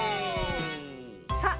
さあ